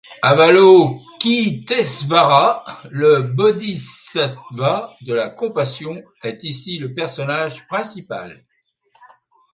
Avalokiteśvara, le bodhisattva de la compassion, est ici le personnage principal.